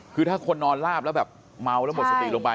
คือถ้าคนนอนลาบแล้วแบบเมาแล้วหมดสติลงไป